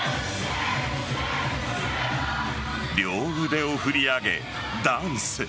両腕を振り上げ、ダンス。